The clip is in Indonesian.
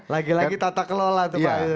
lagi lagi tata kelola tuh pak